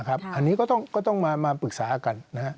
อันนี้ก็ต้องมาปรึกษากัน